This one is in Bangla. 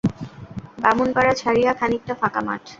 বামুনপাড়া ছাড়িয়া খানিকটা ফাকা মাঠ।